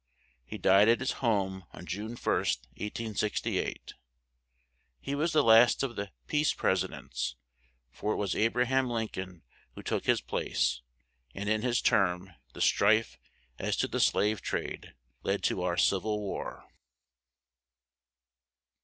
He died at his home on June 1st, 1868. He was the last of the "Peace" pres i dents, for it was A bra ham Lin coln who took his place, and in his term the strife as to the slave trade led to our "Civ il War."